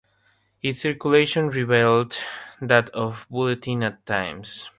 Its circulation rivalled that of the "Bulletin" at times.